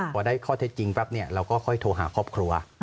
พอได้ข้อเท็จจริงปั๊บเราก็ค่อยโทรหาครอบครัว